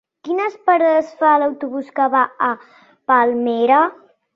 Quines parades fa l'autobús que va a Palmera?